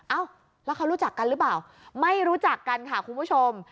เอ้าแล้วเขารู้จักกันหรือเปล่าไม่รู้จักกันค่ะคุณผู้ชม